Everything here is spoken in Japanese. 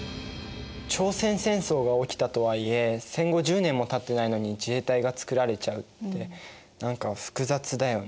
朝鮮戦争が起きたとはいえ戦後１０年もたってないのに自衛隊が作られちゃうって何か複雑だよね。